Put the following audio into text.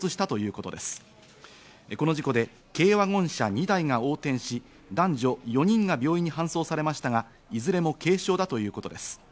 この事故で軽ワゴン車２台が横転し、男女４人が病院に搬送されましたが、いずれも軽傷だということです。